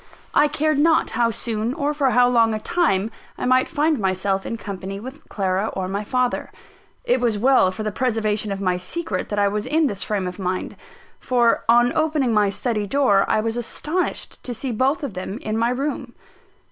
I cared not how soon, or for how long a time, I might find myself in company with Clara or my father. It was well for the preservation of my secret that I was in this frame of mind; for, on opening my study door, I was astonished to see both of them in my room.